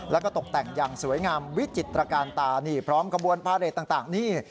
แล้วก็ตกแต่งอย่างสวยงามวิจิตรการตานี่พร้อมขบวนพาเรทต่างนี่